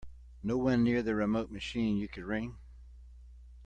No one near the remote machine you could ring?